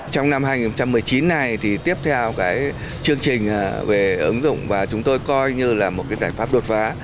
trong năm hai nghìn một mươi chín này thì tiếp theo cái chương trình về ứng dụng và chúng tôi coi như là một cái giải pháp đột phá